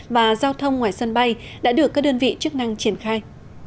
và giao thông ngoài sân bay đã được các đơn vị chức năng triển khai